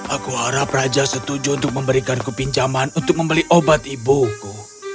aku harap raja setuju untuk memberikanku pinjaman untuk membeli obat ibuku